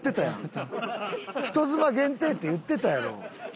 人妻限定って言ってたやろ。